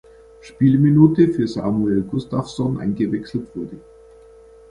Spielminute für Samuel Gustafson eingewechselt wurde.